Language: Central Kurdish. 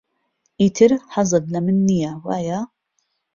ئیتر حەزت لە من نییە، وایە؟